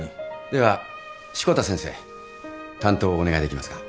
では志子田先生担当をお願いできますか？